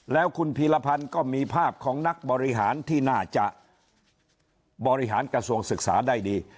แล้วคุณพีรพันธ์ก็มีภาพของนักบริหารที่น่าจะบริหารกระทรวงศึกษาได้ดี